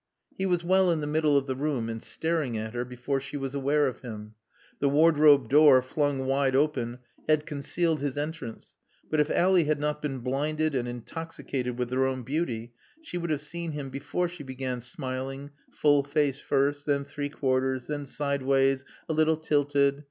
He was well in the middle of the room, and staring at her, before she was aware of him. The wardrobe door, flung wide open, had concealed his entrance, but if Ally had not been blinded and intoxicated with her own beauty she would have seen him before she began smiling, full face first, then three quarters, then sideways, a little tilted.